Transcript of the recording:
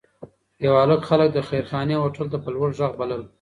یو هلک خلک د خیرخانې هوټل ته په لوړ غږ بلل.